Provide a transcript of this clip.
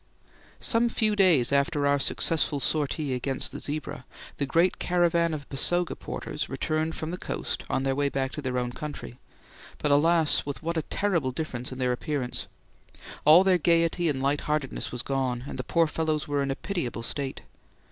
Some few days after our successful sortie against the zebra, the great caravan of Basoga porters returned from the coast on their way back to their own country; but alas, with what a terrible difference in their appearance! All their gaiety and lightheartedness was gone, and the poor fellows were in a pitiable state.